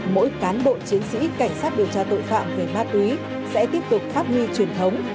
mỗi cán bộ chiến sĩ cảnh sát điều tra tội phạm về ma túy sẽ tiếp tục phát huy truyền thống